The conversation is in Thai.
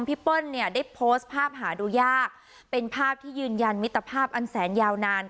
เปิ้ลเนี่ยได้โพสต์ภาพหาดูยากเป็นภาพที่ยืนยันมิตรภาพอันแสนยาวนาน